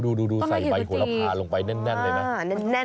โอ้โฮดูใส่ใบผัวละพาลงไปแน่นเลยนะ